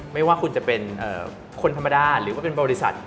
ไม่ว่าคุณจะเป็นคนธรรมดาหรือว่าเป็นบริษัท